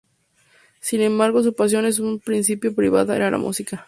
Sin embargo, su pasión, en un principio privada, era la música.